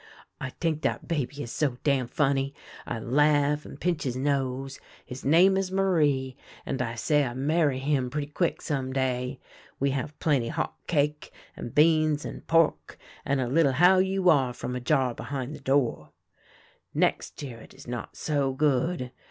I t'ink that baby is so damn funny ; I laugh and pinch his nose ; his name is Marie, and I say I marry him pretty quick some day. We have plenty hot cake, and beans and pork, and a little how you are from a jar behin' the door. " Next year it is not so good.